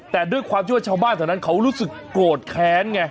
แต่ด้วยความที่ว่าชาวบ้านเท่านั้นเขารู้สึกโกรธแค้นไง